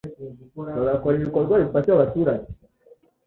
bagakora ibikorwa bifasha abaturage